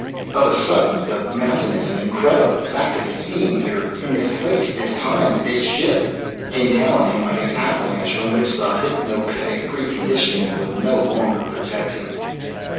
Of a sudden, the mountainous and incredible fact of his being here, in this place, this time, this ship, came down on him like an avalanche from which the hypnopedic pre conditioning would no longer protect him.